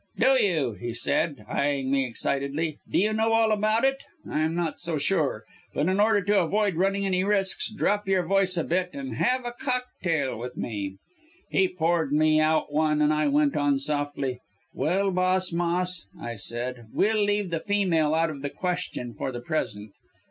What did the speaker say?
"'Do you,' he said, eyeing me excitedly. 'Do you know all about it? I'm not so sure, but in order to avoid running any risks, drop your voice a bit and have a cocktail with me!' "He poured me out one, and I went on softly, 'Well, boss Moss,' I said, 'we'll leave the female out of the question for the present.